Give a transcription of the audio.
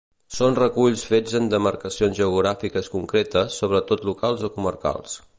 Són reculls fets en demarcacions geogràfiques concretes, sobretot locals o comarcals.